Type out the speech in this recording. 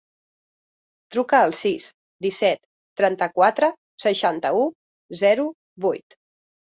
Truca al sis, disset, trenta-quatre, seixanta-u, zero, vuit.